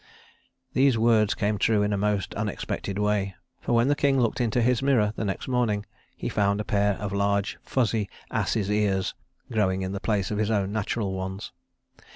These words came true in a most unexpected way, for when the king looked into his mirror the next morning, he found a pair of large fuzzy ass's ears growing in the place of his own natural ones.